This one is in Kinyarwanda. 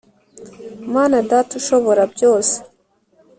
mana dat'ushobora byose